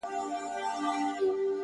حروف د ساز له سوره ووتل سرکښه سوله ـ